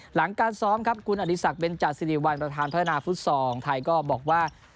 หลังการซ้อมครับคุณอดีศักดิเบนจาสิริวัลประธานพัฒนาฟุตซอลไทยก็บอกว่า